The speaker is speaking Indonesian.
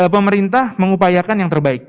pemerintah mengupayakan yang terbaik